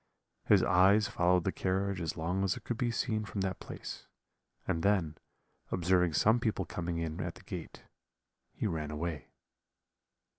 His eyes followed the carriage as long as it could be seen from that place; and then, observing some people coming in at the gate, he ran away.